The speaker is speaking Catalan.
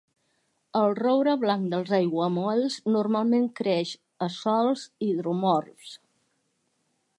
El roure blanc dels aiguamolls normalment creix a sòls hidromorfs.